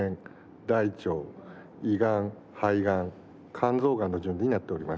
大腸胃がん肺がん肝臓がんの順になっております。